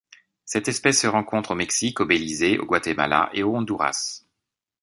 Cette espèce se rencontre au Mexique, au Belize, au Guatemala et au Honduras.